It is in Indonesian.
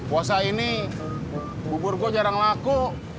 puasa ini bubur gue jarang laku